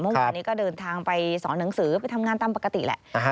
เมื่อวานนี้ก็เดินทางไปสอนหนังสือไปทำงานตามปกติแหละ